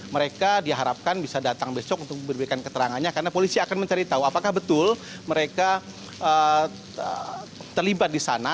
mereka diharapkan bisa datang besok untuk memberikan keterangannya karena polisi akan mencari tahu apakah betul mereka terlibat di sana